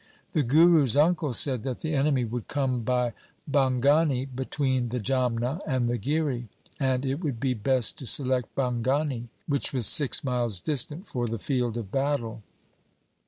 The Guru's uncle said that the enemy would come by Bhangani between the Jamna and the Giri, 1 and it would be best to select Bhangani, which was six miles distant, for the field of battle.